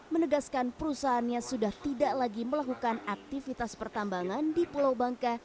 menegaskan perusahaannya sudah tidak lagi melakukan aktivitas pertambangan di pulau bangka